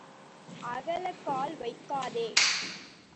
அகலக் கால் வைக்காதே.